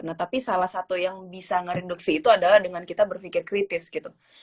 nah tapi salah satu yang bisa ngereduksi itu adalah dengan kita berpikir kritis gitu